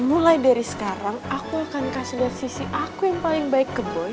mulai dari sekarang aku akan kasih lihat sisi aku yang paling baik ke boy